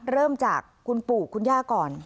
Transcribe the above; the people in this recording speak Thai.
เริ่มจากคุณปู่คุณย่าก่อน